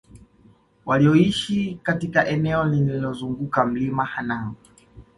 walioishi katika eneo linalozunguka Mlima Hanang